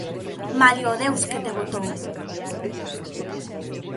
Malia o deus que te botou